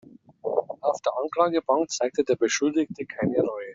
Auf der Anklagebank zeigte der Beschuldigte keine Reue.